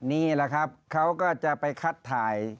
นี่แหละครับเขาก็จะไปคัดถ่าย